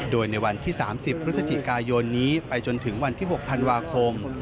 โดยในวันที่๓๐พฤศจิกายนนี้ไปจนถึงวันที่๖ธันวาคม